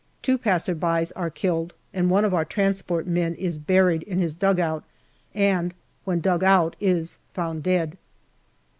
Two passers by are killed, and one of our transport men is buried in his dugout, and when dug out is found dead.